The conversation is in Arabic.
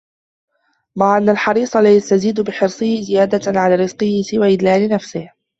مَعَ أَنَّ الْحَرِيصَ لَا يَسْتَزِيدُ بِحِرْصِهِ زِيَادَةً عَلَى رِزْقِهِ سِوَى إذْلَالِ نَفْسِهِ